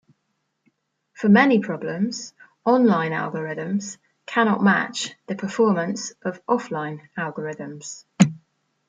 For many problems, online algorithms cannot match the performance of offline algorithms.